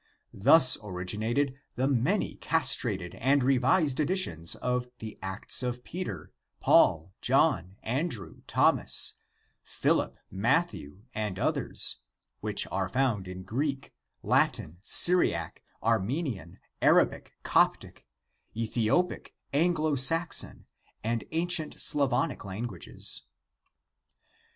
Thus originated the many castrated and revised editions of the Acts of Peter, Paul, John, Andrew, Thomas, Philip, Matthew, and others, vvhich are found in Greek, Latin, Syriac, Armenian, Arabic, Coptic, Ethiopic, Anglo Saxon, and ancient Slavonic lan guages.